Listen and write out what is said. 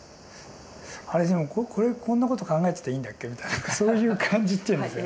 あれでもこれこんなこと考えていいんだっけみたいなそういう感じっていうんですか